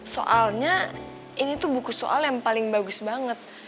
soalnya ini tuh buku soal yang paling bagus banget